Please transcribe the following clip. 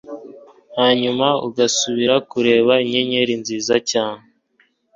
hanyuma ugasubira kureba inyenyeri nziza cyane